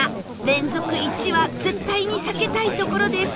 連続「１」は絶対に避けたいところです